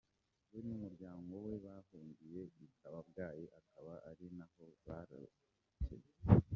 We n’umuryango we bahungiye I Kabgayi akaba ari naho barokokeye.